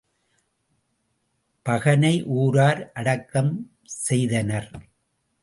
பகனை ஊரார் அடக்கம் செய்தனர்.